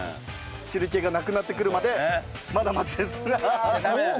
汁気がなくなってくるまでまだ待ちです。